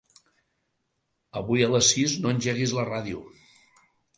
Avui a les sis no engeguis la ràdio.